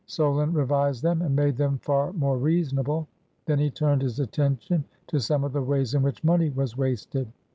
Solon revised them and made them far more reasonable. Then he turned his attention to some of the ways in which money was wasted.